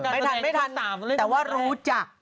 ไม่ทันไม่ทันแต่ว่ารู้จัก